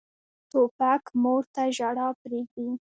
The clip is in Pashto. توپک مور ته ژړا پرېږدي.